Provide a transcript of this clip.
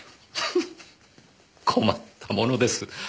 フフフ困ったものです。